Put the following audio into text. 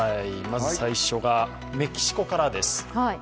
まず最初がメキシコからです。